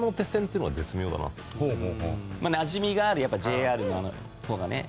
なじみがあるやっぱＪＲの方がね。